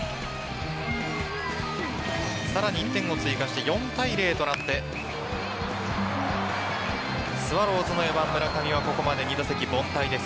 さらに１点を追加して４対０となってスワローズの４番・村上はここまで２打席凡退です。